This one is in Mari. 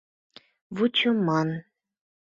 Вучыман!